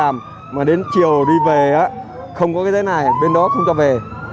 mà đến chiều đi về không có cái giấy này bên đó không cho về